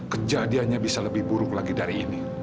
kejadiannya bisa lebih buruk lagi dari ini